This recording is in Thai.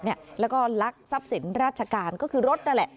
และลักษณะที่ทรัพย์ศพสินราชการก็คือรถ